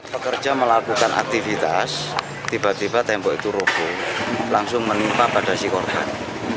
pekerja melakukan aktivitas tiba tiba tembok itu robo langsung menimpa pada si korban